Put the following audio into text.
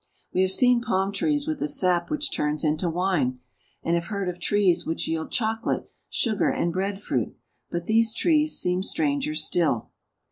We have seen palm trees with a sap which turns into wine, and have heard of trees which yield chocolate, sugar, and bread fruit, but these trees seem stranger still.